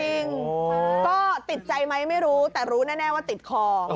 ก็ติดใจมัยไม่รู้แต่รู้แน่ว่าติดคอ